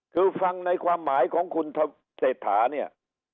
คือฟังในความหมายของคุณเศรษฐาเนี่ย